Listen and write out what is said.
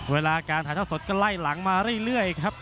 เวลาการถ่ายเท่าสดก็ไล่หลังมาเรื่อยครับ